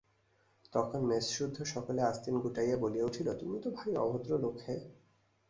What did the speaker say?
তখন মেসসুদ্ধ সকলে আস্তিন গুটাইয়া বলিয়া উঠিল, তুমি তো ভারি অভদ্র লোক হে!